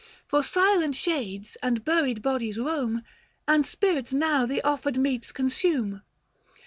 For silent shades and buried bodies roam, And spirits now the offered meats consume.